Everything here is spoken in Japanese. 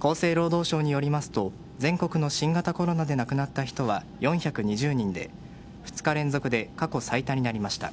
厚生労働省によりますと全国の新型コロナで亡くなった人は４２０人で２日連続で過去最多になりました。